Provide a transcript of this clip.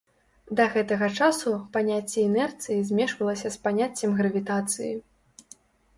Да гэтага часу паняцце інерцыі змешвалася з паняццем гравітацыі.